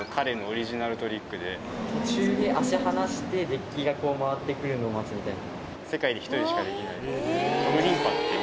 途中で足離してデッキが回って来るのを待つみたいな。